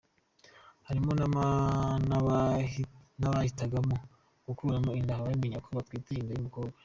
Harimo n’abahitagamo gukuramo inda bamenyeko batwite inda y’umukobwa.